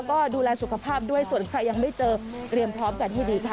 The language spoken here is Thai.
ก็ดูแลสุขภาพด้วยส่วนใครยังไม่เจอเตรียมพร้อมกันให้ดีค่ะ